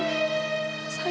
aku tidak mau